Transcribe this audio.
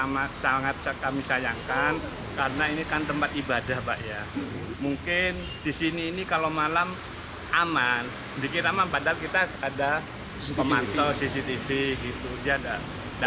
mungkin di sini ini kalau malam aman dikit aman padahal kita ada pemantau cctv gitu